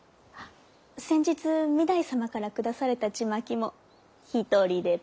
先日御台様から下されたちまきも一人でぺろりと。